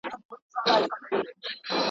ستا آواز به زه تر عرشه رسومه.